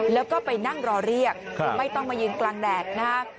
แล้วก็ไปนั่งรอเรียกไม่ต้องมายืนกลางแดดนะฮะ